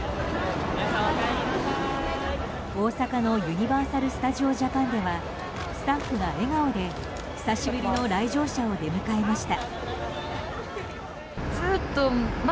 大阪のユニバーサル・スタジオ・ジャパンではスタッフが笑顔で久しぶりの来場者を出迎えました。